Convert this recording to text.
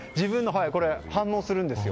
反応するんですよ